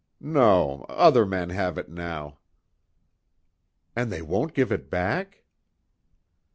"No. Other men have it, now." "And they won't give it back!"